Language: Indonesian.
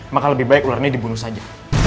maka lebih baik ular ini dibunuh saja